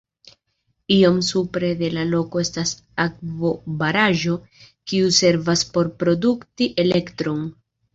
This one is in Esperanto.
Iom supre de la loko estas akvobaraĵo, kiu servas por produkti elektron.